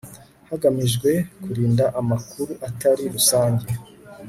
hagamijwe kurinda amakuru atari rusange